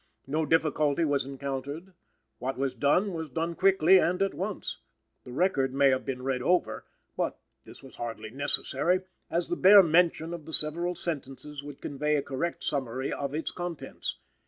No difficulty was encountered. What was done was done quickly and at once. The record may have been read over; but this was hardly necessary, as the bare mention of the several sentences would convey a correct summary of its contents.